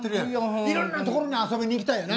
いろんな所に遊びに行きたいよな。